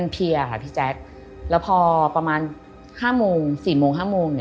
ประมาณ๔๕โมง